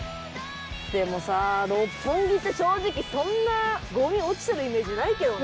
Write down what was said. でもさ六本木って正直そんなごみ落ちてるイメージないけどね。